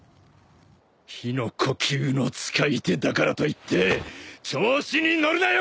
日の呼吸の使い手だからといって調子に乗るなよ